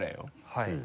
はい。